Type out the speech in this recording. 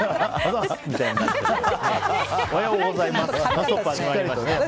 おはようございます。